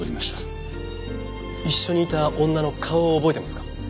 一緒にいた女の顔を覚えてますか？